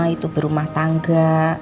itu berumah tangga